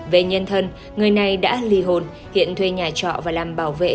về nhân thân người này đã ly hôn hiện thuê nhà trọ và làm bảo vệ